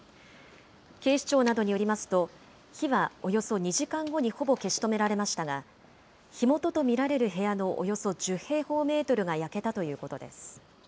警視庁などによりますと、火はおよそ２時間後にほぼ消し止められましたが、火元と見られる部屋のおよそ１０平方メートルが焼けたということです。